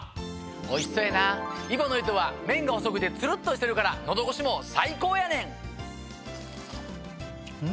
おいしそうやな揖保乃糸は麺が細くてツルっとしてるから喉越しも最高やねん！ね？